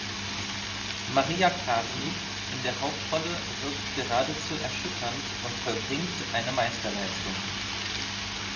Maria Carmi in der Hauptrolle wirkt geradezu erschütternd und vollbringt eine Meisterleistung.